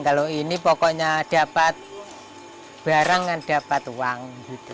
kalau ini pokoknya dapat barang kan dapat uang